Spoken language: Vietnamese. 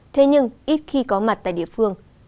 thế nhưng ít khi có mặt tại địa phương